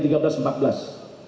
itu kita buat peraturan pimpinan